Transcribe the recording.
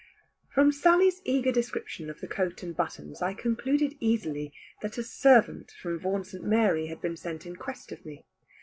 From Sally's eager description of the coat and buttons, I concluded easily that a servant from Vaughan St. Mary had been sent in quest of me.